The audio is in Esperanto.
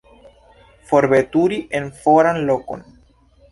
Forveturi en foran lokon.